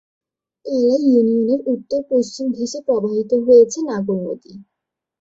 কালাই ইউনিয়নের উত্তর-পশ্চিম ঘেষে প্রবাহিত হয়েছে নাগর নদী।